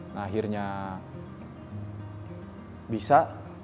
nah akhirnya bisa